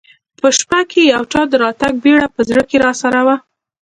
په شپه کې د یو چا د راتګ بېره په زړه کې راسره وه.